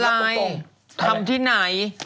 อะไรทำที่ไหน